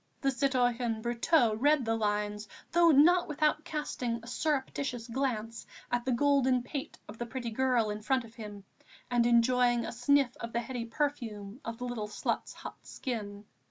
The citoyen Brotteaux read the lines, though not without casting a surreptitious glance at the golden pate of the pretty girl in front of him and enjoying a sniff of the heady perfume of the little slut's hot skin.